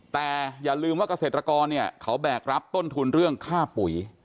แต่อย่าลืมว่าเกษตรกรเนี่ยเขาแบกรับต้นทุนเรื่องค่าปุ๋ย